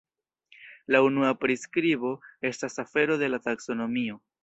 La unua priskribo estas afero de la taksonomio.